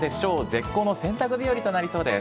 絶好の洗濯日和となりそうです。